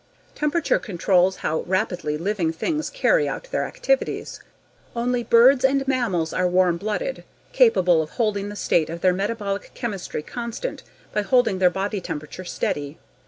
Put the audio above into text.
Temperature controls how rapidly living things carry out their activities. Only birds and mammals are warm blooded capable of holding the rate of their metabolic chemistry constant by holding their body temperature steady.